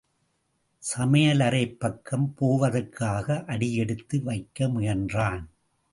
சமயலறை பக்கம் போவதற்காக அடியெடுத்து வைக்க முயன்றான்.